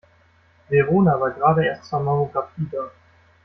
Verona war gerade erst zur Mammographie da.